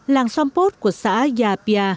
làng sông pốt của xã gia pia